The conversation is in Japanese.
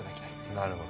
なるほど。